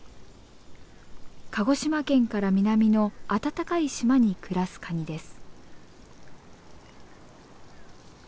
鹿児島県から南の暖かい島に暮らすカニです。